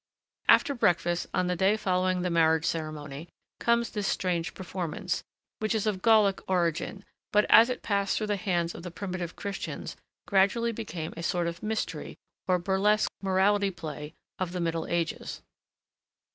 After breakfast on the day following the marriage ceremony, comes this strange performance, which is of Gallic origin, but, as it passed through the hands of the primitive Christians, gradually became a sort of mystery, or burlesque morality play of the Middle Ages.